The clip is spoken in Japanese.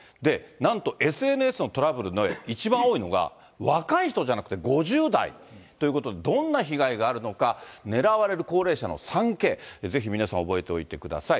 なんとＳＮＳのトラブルの一番多いのが、若い人じゃなくて５０代ということで、どんな被害があるのか、狙われる高齢者の３Ｋ、ぜひ皆さん、覚えておいてください。